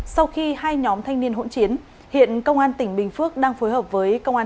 sau khi hai nhóm thanh niên hỗn chiến hiện công an tỉnh bình phước đang phối hợp với công an